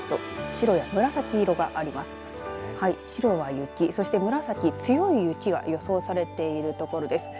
白は雪、そして紫、強い雪が予想されている所です。